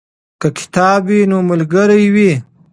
که کتاب وي نو ملګری وي.